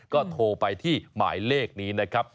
ก็โทรไปที่หมายเลขนี้นะครับ